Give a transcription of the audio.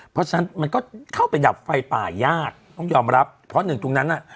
เพราะฉะนั้นมันก็เข้าไปดับไฟป่ายากต้องยอมรับเพราะหนึ่งตรงนั้นน่ะ